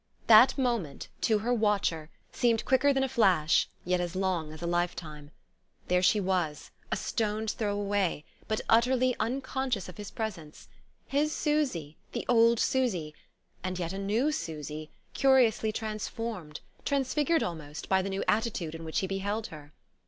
That moment, to her watcher, seemed quicker than a flash yet as long as a life time. There she was, a stone's throw away, but utterly unconscious of his presence: his Susy, the old Susy, and yet a new Susy, curiously transformed, transfigured almost, by the new attitude in which he beheld her.